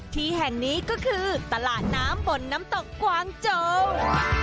ที่แห่งนี้ก็คือตลาดน้ำบนน้ำตกกวางโจง